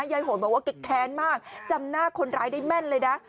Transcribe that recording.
โหนบอกว่าแกแค้นมากจำหน้าคนร้ายได้แม่นเลยนะ